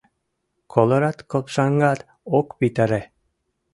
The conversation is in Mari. Колорад копшаҥгат ок витаре.